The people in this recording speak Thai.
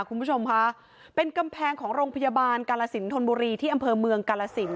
คุณผู้ชมคะเป็นกำแพงของโรงพยาบาลกาลสินธนบุรีที่อำเภอเมืองกาลสิน